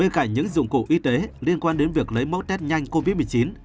tại những dụng cụ y tế liên quan đến việc lấy mẫu test nhanh covid một mươi chín